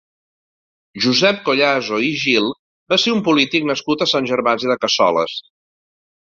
Josep Collaso i Gil va ser un polític nascut a Sant Gervasi de Cassoles.